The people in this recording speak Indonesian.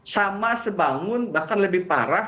sama sebangun bahkan lebih parah